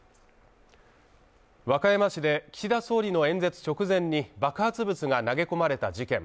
和歌山市で岸田総理の演説直前に爆発物が投げ込まれた事件。